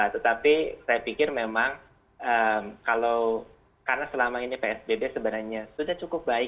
tetapi saya pikir memang karena selama ini psbb sebenarnya sudah cukup baik